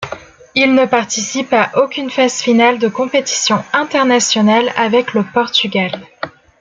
Il ne participe à aucune phase finale de compétition internationale avec le Portugal.